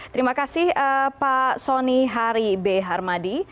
terima kasih pak soni hari b harmadi